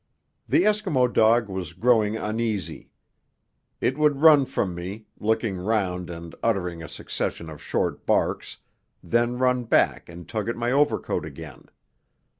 The Eskimo dog was growing uneasy. It would run from me, looking round and uttering a succession of short barks, then run back and tug at my overcoat again.